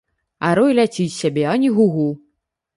А рой ляціць сабе, ані гу-гу.